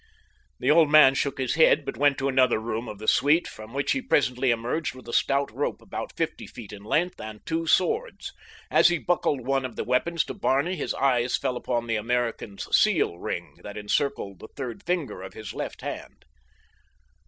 The old man shook his head, but went to another room of the suite, from which he presently emerged with a stout rope about fifty feet in length and two swords. As he buckled one of the weapons to Barney his eyes fell upon the American's seal ring that encircled the third finger of his left hand.